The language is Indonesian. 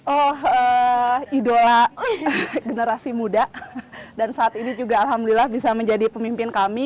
oh idola generasi muda dan saat ini juga alhamdulillah bisa menjadi pemimpin kami